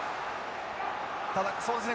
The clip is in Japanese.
ただそうですね